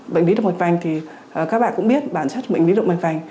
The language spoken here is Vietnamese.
bệnh lý động mạch vành thì các bạn cũng biết bản chất bệnh lý động mạch vành